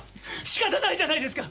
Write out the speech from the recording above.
しかたないじゃないですか！